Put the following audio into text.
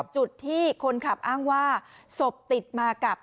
จุดที่คนขับอ้างว่าศพติดมากับ